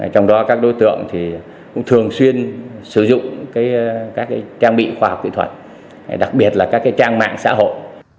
trong đó các đối tượng cũng thường xuyên sử dụng các trang bị khoa học kỹ thuật đặc biệt là các trang mạng xã hội